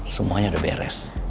semuanya udah beres